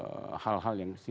tidak pada hal hal yang prinsipil